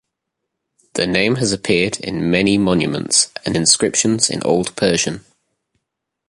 The name has appeared on many monuments and inscriptions in Old Persian.